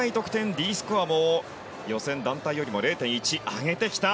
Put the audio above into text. Ｄスコアも予選、団体よりも０．１上げてきた。